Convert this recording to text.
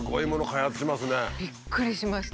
びっくりしました。